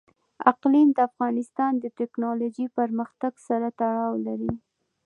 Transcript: اقلیم د افغانستان د تکنالوژۍ پرمختګ سره تړاو لري.